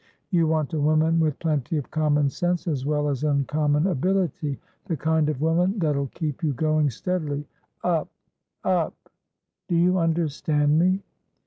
You want a woman with plenty of common sense as well as uncommon ability; the kind of woman that'll keep you going steadilyupup! Do you understand me?"